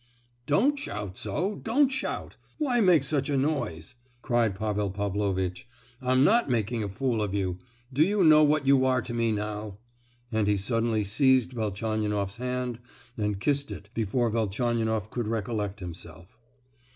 "Don't shout so—don't shout! Why make such a noise?" cried Pavel Pavlovitch. "I'm not making a fool of you! Do you know what you are to me now?" and he suddenly seized Velchaninoff's hand, and kissed it before Velchaninoff could recollect himself.